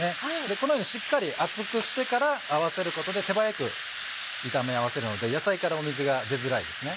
このようにしっかり熱くしてから合わせることで手早く炒め合わせるので野菜から水が出づらいですね。